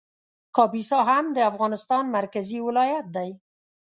کاپیسا هم د افغانستان مرکزي ولایت دی